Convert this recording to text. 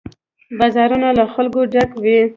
بازارونه له خلکو ډک وي.